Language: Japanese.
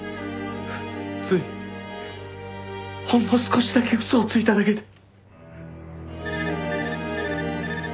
ついほんの少しだけ嘘をついただけで。